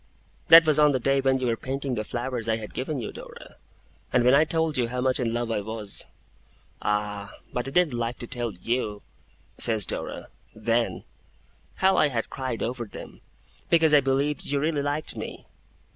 'That was on the day when you were painting the flowers I had given you, Dora, and when I told you how much in love I was.' 'Ah! but I didn't like to tell you,' says Dora, 'then, how I had cried over them, because I believed you really liked me!